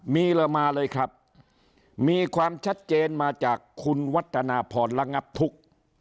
มีละมาเลยครับมีความชัดเจนมาจากคุณวัฒนาพรระงับทุกข์